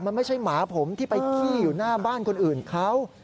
มันไม่ใช่หมาผมที่ไปขี้อยู่หน้าบ้านคนอื่นเขา